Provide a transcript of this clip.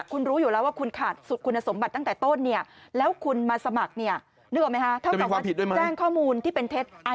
คุณรู้อยู่แล้วว่าคุณขาดคุณสมบัติตั้งแต่ต้น